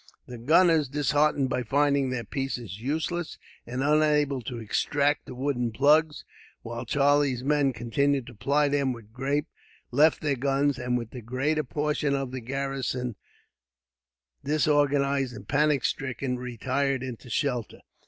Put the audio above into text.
The gunners, disheartened by finding their pieces useless, and unable to extract the wooden plugs, while Charlie's men continued to ply them with grape, left their guns and, with the greater portion of the garrison, disorganized and panic stricken, retired into shelter.